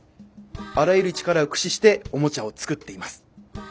あらゆる力を駆使しておもちゃを作っています。